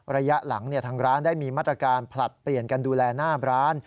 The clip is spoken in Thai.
ระยะหลังทางร้านได้มีมาตรการผลัดเปลี่ยนกันดูแลหน้าร้าน